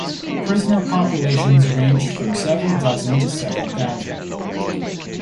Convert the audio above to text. Prisoner populations ranged from several dozen to several thousand.